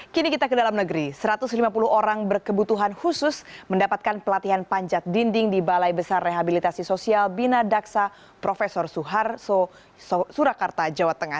kini kita ke dalam negeri satu ratus lima puluh orang berkebutuhan khusus mendapatkan pelatihan panjat dinding di balai besar rehabilitasi sosial bina daksa prof surakarta jawa tengah